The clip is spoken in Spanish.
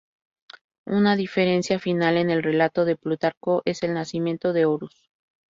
Una diferencia final en el relato de Plutarco es el nacimiento de Horus.